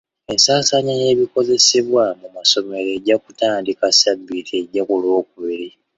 Ensaasaanya y'ebikozesebwa mu masomero ejja kutandika ssabbiiti ejja ku lw'okubiri.